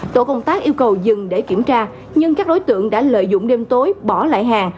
tổ công tác yêu cầu dừng để kiểm tra nhưng các đối tượng đã lợi dụng đêm tối bỏ lại hàng